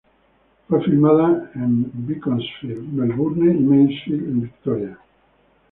Fue filmada en Beaconsfield, Melbourne y Mansfield en Victoria.